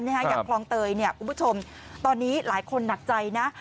อย่างคลองเตยคุณผู้ชมตอนนี้หลายคนหนักใจนะ